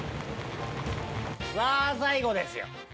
うわ最後ですよ。